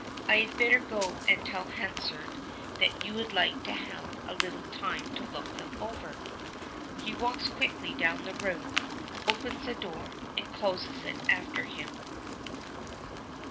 I had better go and tell Hansard that you would like to have a little time to look them over." He walks quickly down the room, opens the door, and closes it after him.